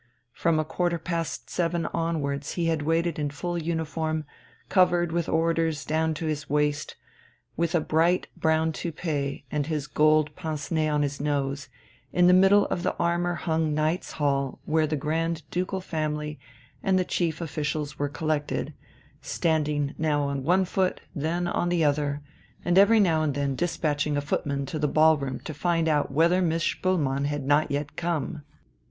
From a quarter past seven onwards he had waited in full uniform, covered with orders down to his waist, with a bright brown toupée and his gold pince nez on his nose, in the middle of the armour hung Knights' Hall where the Grand Ducal family and the chief officials were collected; standing now on one foot, then on the other, and every now and then dispatching a footman to the ballroom to find out whether Miss Spoelmann had not yet come.